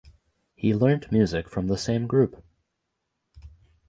He learnt music from the same group.